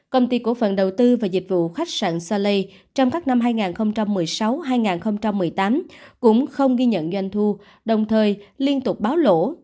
công ty cổ phần đầu tư và dịch vụ khách sạn sale trong các năm hai nghìn một mươi sáu hai nghìn một mươi tám cũng không ghi nhận doanh thu đồng thời liên tục báo lỗ